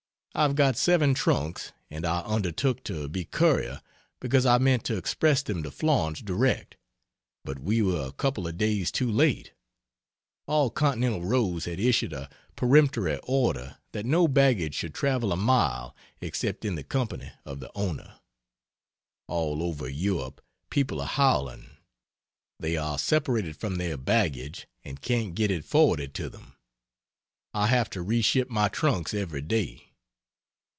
I've got seven trunks, and I undertook to be courier because I meant to express them to Florence direct, but we were a couple of days too late. All continental roads had issued a peremptory order that no baggage should travel a mile except in the company of the owner. (All over Europe people are howling; they are separated from their baggage and can't get it forwarded to them) I have to re ship my trunks every day.